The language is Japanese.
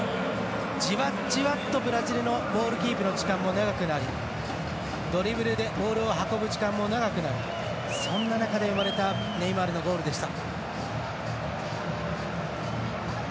じわじわとブラジルのボールキープの時間も長くなり、ドリブルでボールを運ぶ時間も長くなりそんな中で生まれたネイマールのゴールでした。